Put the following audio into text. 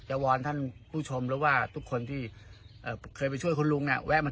จะวอนท่านผู้ชมแล้วว่าทุกคนที่เอ่อเคยไปช่วยคนลุงเนี้ยแวะมา